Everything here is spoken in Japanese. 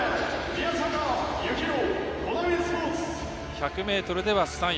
１００ｍでは３位。